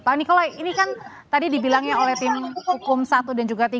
pak nikolai ini kan tadi dibilangnya oleh tim hukum satu dan juga tiga